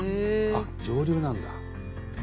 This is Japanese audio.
あっ上流なんだ。